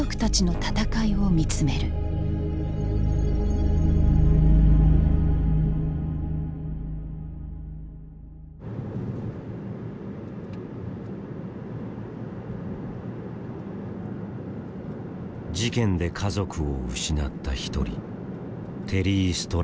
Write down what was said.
事件で家族を失った一人テリー・ストラーダさん。